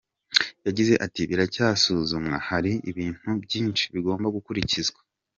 Yagize ati “Biracyasuzumwa hari ibintu byinshi bigomba gukurikizwa.